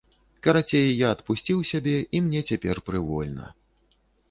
Карацей, я адпусціў сябе і мне цяпер прывольна.